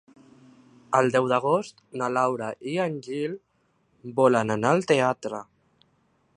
El deu d'agost na Laura i en Gil volen anar al teatre.